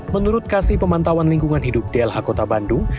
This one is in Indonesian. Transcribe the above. menurut kasih pemantauan lingkungan hidup dlh kota bandung